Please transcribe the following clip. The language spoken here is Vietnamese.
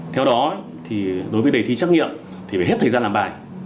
theo đó thì đối với đề thi trắc nghiệm thì phải hết thời gian làm bài